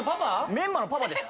メンマのパパです